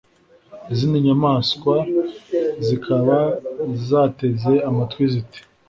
Izindi nyamaswa zikaba zateze amatwi ziti: